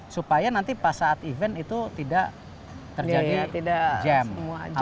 supaya nanti pas saat event itu tidak terjadi